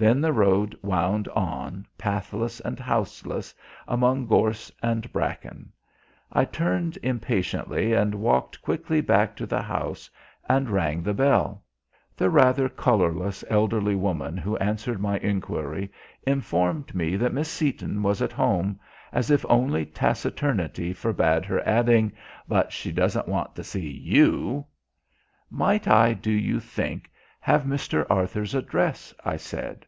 Then the road wound on, pathless and houseless, among gorse and bracken. I turned impatiently and walked quickly back to the house and rang the bell. The rather colourless elderly woman who answered my enquiry informed me that Miss Seaton was at home, as if only taciturnity forbade her adding, "But she doesn't want to see you." "Might I, do you think, have Mr. Arthur's address?" I said.